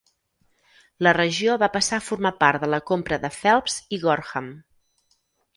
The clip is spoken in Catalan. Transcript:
La regió va passar a formar part de la compra de Phelps i Gorham.